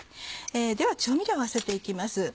では調味料を合わせて行きます。